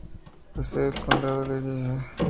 La sede del condado es Littlefield.